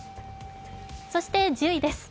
そして１０位です。